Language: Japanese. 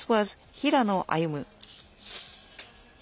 平野歩夢。